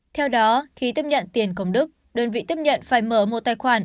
theo đó khi tiếp nhận tiền công đức đơn vị tiếp nhận phải mở một tài khoản